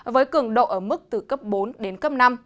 với cường độ ở mức từ cấp bốn đến cấp năm